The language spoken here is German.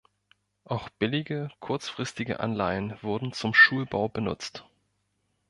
Auch billige kurzfristige Anleihen wurden zum Schulbau benutzt.